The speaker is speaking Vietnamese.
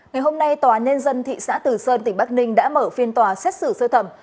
ngày hôm nay tòa nhân dân thị xã từ sơn tỉnh bắc ninh đã mở phiên tòa xét xử sơ thẩm